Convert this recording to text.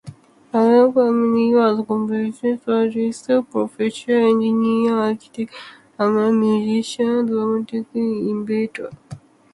Hassan Fathy was a cosmopolitan trilingual professor-engineer-architect, amateur musician, dramatist, and inventor.